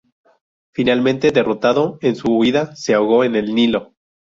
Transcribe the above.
Finalmente derrotado, en su huida se ahogó en el Nilo.